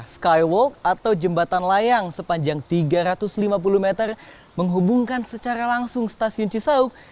skywalk atau jembatan layang sepanjang tiga ratus lima puluh meter menghubungkan secara langsung stasiun cisauk